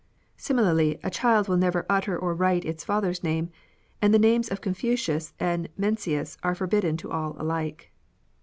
Similarly, a child will never utter or write its father's name ; and the names of Confucius and Mencius are forbidden to all alike.